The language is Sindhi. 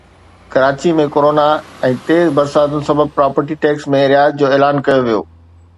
ڪراچي ۾ ڪورونا ۽ تيز برساتن سبب پراپرٽي ٽيڪس ۾ رعايت جو اعلان ڪيو ويو